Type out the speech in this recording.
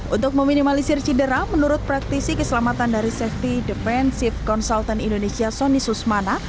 untuk meminimalisir cedera menurut praktisi keselamatan dari safety defensive consultant indonesia sonny susmana